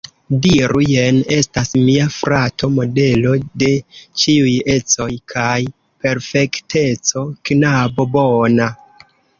Diru: jen estas mia frato, modelo de ĉiuj ecoj kaj perfekteco, knabo bona.